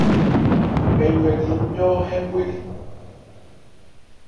Mɛn ywɛnli nmyɔ́ hɛ́n bhwelí.